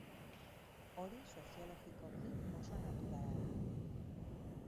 Hori soziologikoki oso naturala da.